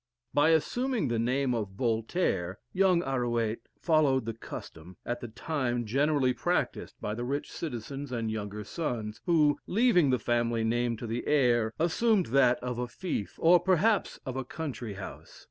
By assuming the name of Voltaire, young Arouet followed the custom, at that time generally practiced by the rich citizens and younger sons, who, leaving the family name to the heir, assumed that of a fief, or perhaps of a country house.